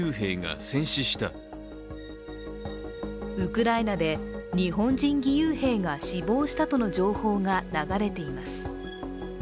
ウクライナで、日本人義勇兵が死亡したとの情報が流れています。